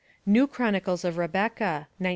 New Chronicles of Rebecca, 1907.